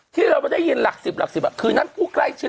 ที่เราได้ยินหลัก๑๐หลัก๑๐คืนนั้นผู้ใกล้ชิด